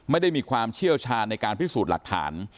ไม่ได้มีความเชี่ยวชาญในการพิสูจน์หลักฐาน